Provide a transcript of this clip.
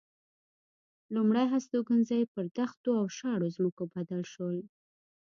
لومړ هستوګنځي پر دښتو او شاړو ځمکو بدل شول.